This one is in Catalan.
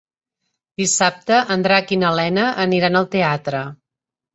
Dissabte en Drac i na Lena aniran al teatre.